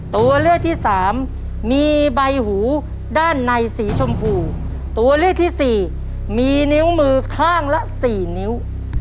ตัวเลือกที่สามมีใบหูด้านในสีชมพูตัวเลือกที่สี่มีนิ้วมือข้างละสี่นิ้ว